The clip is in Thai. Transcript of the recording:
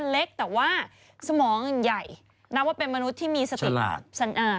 เล็กแต่ว่าสมองใหญ่นับว่าเป็นมนุษย์ที่มีสติสันอ่า